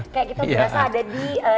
kayak kita berasa ada di jaman jaman dulu pak